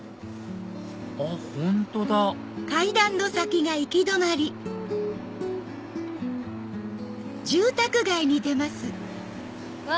あっ本当だうわ